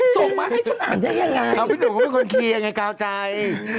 ส่งมาให้ฉันอ่านได้ยังไงถ้าสมมุตินุ่มเป็นคนเคียงยังไงก้าวใจ